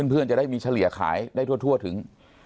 เพื่อนจะได้มีเฉลี่ยขายได้ทั่วถึง